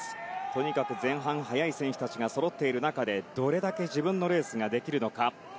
とにかく前半速い選手たちがそろっている中でどれだけ自分のレースができるのか。